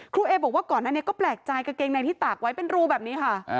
เอบอกว่าก่อนอันนี้ก็แปลกใจกางเกงในที่ตากไว้เป็นรูแบบนี้ค่ะ